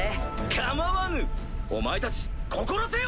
構わぬお前たち心せよ！